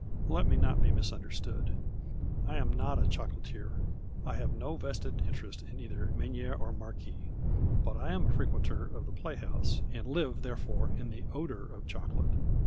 Let me not be misunderstood. I am not a chocolatier. I have no vested interest in cither Menier or Marquis. But I am a frequenter of the playhouse, and live, therefore, in the odour of chocolate.